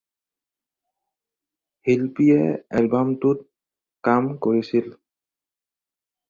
শিল্পীয়ে এলবামটোত কাম কৰিছিল।